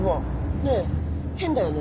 ねえ変だよね。